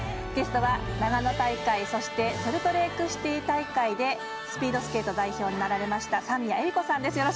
ゲストは長野大会、そしてソルトレークシティー大会でスピードスケート代表になられました三宮恵利子さんです。